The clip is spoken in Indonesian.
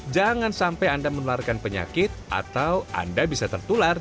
jangan sampai anda menularkan penyakit atau anda bisa tertular